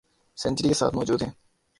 century کے ساتھ موجود ہیں